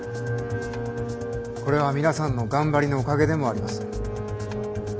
これは皆さんの頑張りのおかげでもあります。